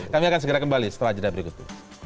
kami akan segera kembali setelah jeda berikut